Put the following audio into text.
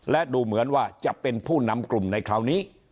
และดูเหมือนว่าจะเป็นผู้นำกลุ่มในคราวนี้